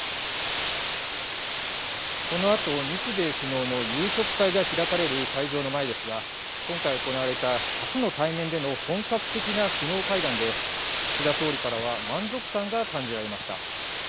このあと日米首脳の夕食会が開かれる会場の前ですが今回、行われた初の対面での本格的な首脳会談で岸田総理からは満足感が感じられました。